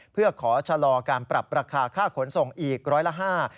เพื่อขอชะลอการปรับราคาค่าขนส่งอีกร้อยละห้า